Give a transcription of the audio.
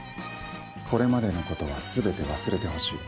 これまでのことは全て忘れてほしい。